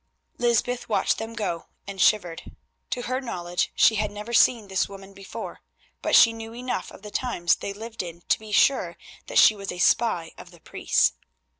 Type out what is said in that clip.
Lysbeth watched them go, and shivered. To her knowledge she had never seen this woman before, but she knew enough of the times they lived in to be sure that she was a spy of the priests.